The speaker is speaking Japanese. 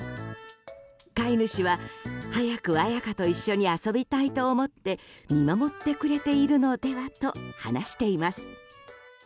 飼い主は早くあやかと一緒に遊びたいと思って見守ってくれているのではと話しています。